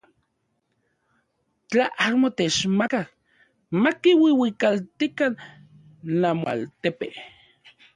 Tla amo techmakaj, makiuiuikaltikan namoaltepe.